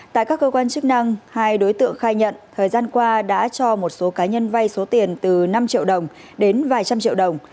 tại các cơ quan chức năng hai đối tượng khai nhận thời gian qua đã cho một số cá nhân vay số tiền từ năm triệu đồng đến vài trăm triệu đồng